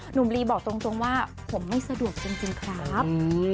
ลีบอกตรงว่าผมไม่สะดวกจริงครับ